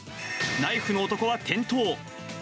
ナイフの男は転倒。